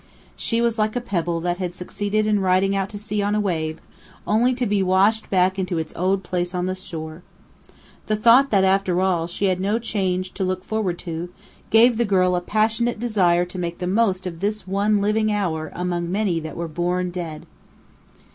She was like a pebble that had succeeded in riding out to sea on a wave, only to be washed back into its old place on the shore. The thought that, after all, she had no change to look forward to, gave the girl a passionate desire to make the most of this one living hour among many that were born dead.